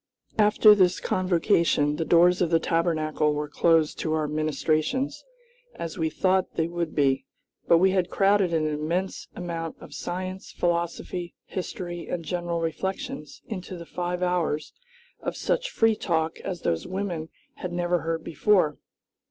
After this convocation the doors of the Tabernacle were closed to our ministrations, as we thought they would be, but we had crowded an immense amount of science, philosophy, history, and general reflections into the five hours of such free talk as those women had never heard before.